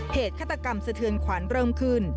เหตุฆาตกรรมสะเทือนขวัญเริ่มขึ้น